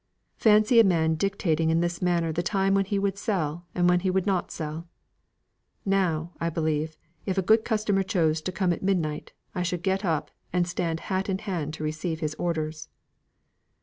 Fancy a man dictating in this manner the time when he would sell and when he would not sell. Now, I believe, if a good customer chose to come at midnight, I should get up, and stand hat in hand to receive his orders."